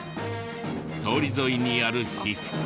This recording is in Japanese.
通り沿いにある皮膚科。